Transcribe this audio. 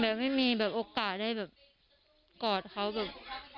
แบบไม่มีแบบโอกาสได้แบบกอดเขาแบบ